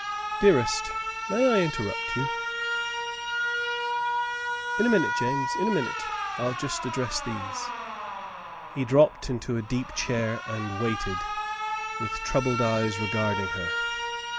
"Dearest, may I interrupt you?" Frale goes to Farington 75 "In a minute, James; in a minute. I'll just address these." He dropped into a deep chair and waited, with troubled eyes regarding her.